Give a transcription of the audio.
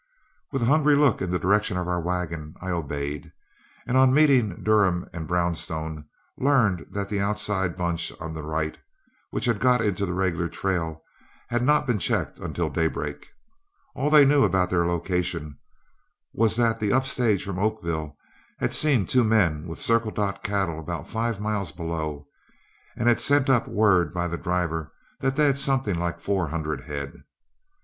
With a hungry look in the direction of our wagon, I obeyed, and on meeting Durham and Borrowstone, learned that the outside bunch on the right, which had got into the regular trail, had not been checked until daybreak. All they knew about their location was that the up stage from Oakville had seen two men with Circle Dot cattle about five miles below, and had sent up word by the driver that they had something like four hundred head.